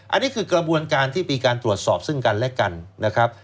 อันนี้คือกระบวนการที่มีการตรวจสอบซึ่งกันและกันนะครับ